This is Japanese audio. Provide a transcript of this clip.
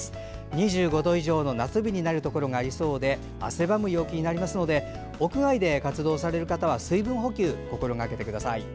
２５度以上の夏日になるところがありそうで汗ばむ陽気になりますので屋外で活動される方は水分補給、心がけてください。